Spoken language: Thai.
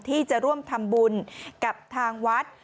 ที่จะร่วมทำบุญกับทางวัด